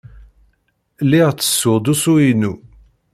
Lliɣ ttessuɣ-d usu-inu.